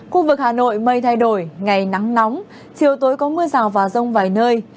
khu vực hà nội mây thay đổi ngày nắng nóng chiều tối có mưa rào và rông vài nơi